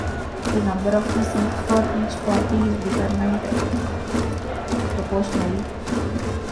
The number of the seats for each party is determined proportionally.